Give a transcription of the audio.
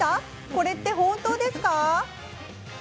これって本当ですか？